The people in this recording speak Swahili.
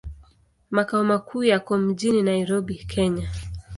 Makao makuu yako mjini Nairobi, Kenya.